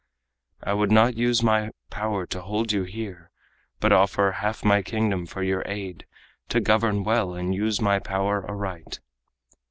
I would not use my power to hold you here, But offer half my kingdom for your aid To govern well and use my power aright."